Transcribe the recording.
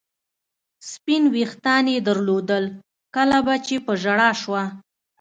سپین وریښتان یې درلودل، کله به چې په ژړا شوه.